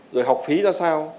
rồi học phí ra sao